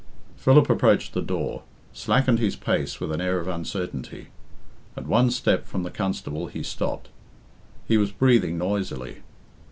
Philip approached the door, slackened his pace with an air of uncertainty; at one step from the constable he stopped. He was breathing noisily.